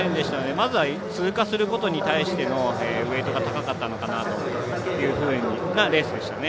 まずは通過することに対してのウエイトが高かったのかなというレースでしたね。